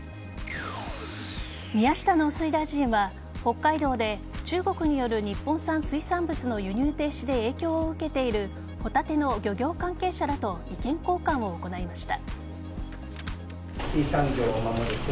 宮下農水大臣は北海道で中国による日本産水産物の輸入停止で影響を受けているホタテの漁業関係者らと意見交換を行いました。